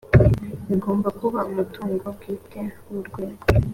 bigomba kuba umutungo bwite w urwego